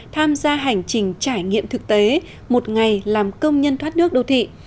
tham gia hành trình trải nghiệm thực tế một ngày làm công nhân thoát nước đô thị